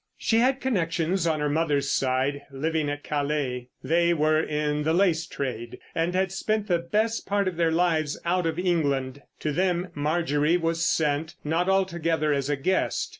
She had connections on her mother's side living at Calais. They were in the lace trade, and had spent the best part of their lives out of England. To them Marjorie was sent—not altogether as a guest.